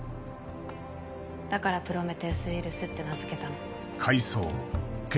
だからプロメテウス・ウイルスって名付けたの。